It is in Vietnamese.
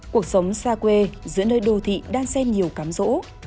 cuộc sống xa quê giữa nơi đô thị đang xen nhiều cắm rỗ